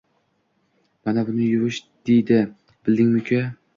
Mana buni yuvish, deydi bildingmi uka